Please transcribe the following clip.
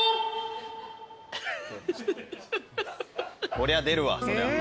こりゃ出るわそりゃ。